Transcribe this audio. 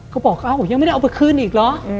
เขาบอกยังไม่ได้เอาไปคืนอีกเหรอ